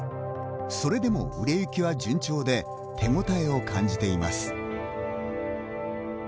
それでも、売れ行きは順調で手応えを感じています。